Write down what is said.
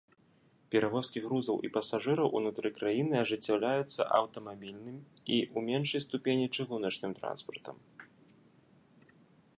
Перавозкі грузаў і пасажыраў унутры краіны ажыццяўляюцца аўтамабільным і, у меншай ступені, чыгуначным транспартам.